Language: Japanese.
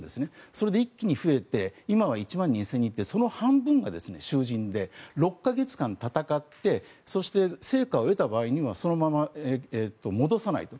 それで一気に増えて今は１万２０００人で半分は囚人でそして、成果を得た場合にはそのまま戻さないと。